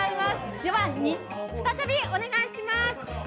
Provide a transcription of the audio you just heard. では、再びお願いします。